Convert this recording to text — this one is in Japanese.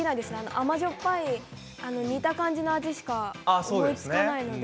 甘じょっぱい、煮た感じのものしか思いつかないので。